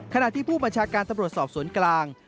ขณะที่ผู้ประชาการตะบรดสอบสวนกลาง